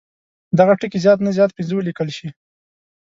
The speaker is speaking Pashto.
دغه ټکي زیات نه زیات پنځه ولیکل شي.